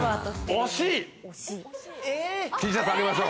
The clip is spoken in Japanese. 惜しい！